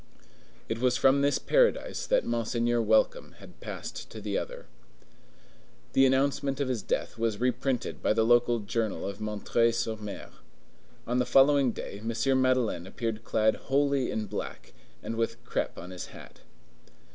It was from this paradise that Monseigneur Welcome had passed to the other. The announcement of his death was reprinted by the local journal of M. sur M. On the following day, M. Madeleine appeared clad wholly in black, and with crape on his hat.